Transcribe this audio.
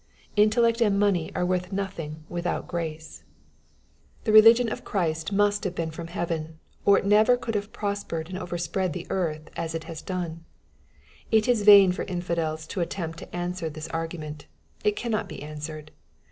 Intellect and money ure worth nothing vrithout grace. 90 SXPOSITOBT THOUGHTS. The religion of Christ must have been from heaven^ or it never could have prospered and overspread the earth as it has done. It is vain for infidels to attempt to answer this argument. It cannot be answered.